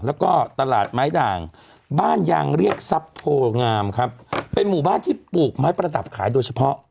แล้วก็ตลาดไม้ด่างบ้านยางเรียกทรัพย์โพงามครับเป็นหมู่บ้านที่ปลูกไม้ประดับขายโดยเฉพาะ